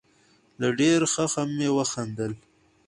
له ډېر خښم مې وخندل.